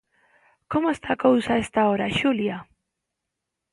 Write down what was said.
Como está a cousa a esta hora, Xulia?